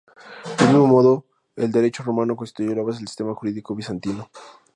Del mismo modo, el derecho romano constituyó la base del sistema jurídico bizantino.